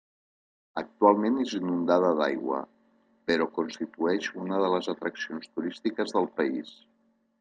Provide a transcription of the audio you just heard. Actualment és inundada d'aigua, però constitueix una de les atraccions turístiques del país.